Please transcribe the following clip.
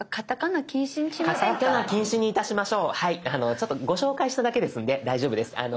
ちょっとご紹介しただけですんで大丈夫です。